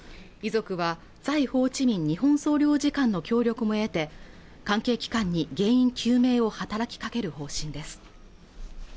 ホーチミン日本総領事館の協力も得て関係機関に原因究明を働きかける方針です